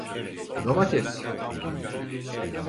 Domates…